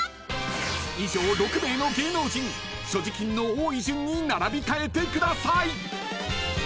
［以上６名の芸能人所持金の多い順に並び替えてください］